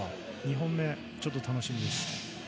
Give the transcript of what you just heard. ２本目、ちょっと楽しみです。